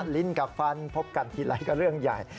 ลิ้นกับฟันพบกันทีไรก็เรื่องใหญ่